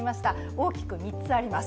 大きく３つあります。